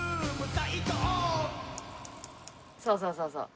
そうそうそうそう。